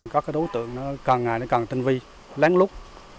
các đối tượng càng ngày càng tinh vi lén lút